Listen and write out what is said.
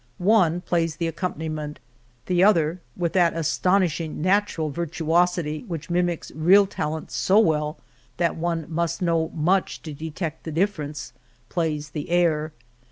One plays the accompaniment, the other, with that astonish ing natural virtuosity which mimics real talent so well that one must know much to detect the difference, plays the air.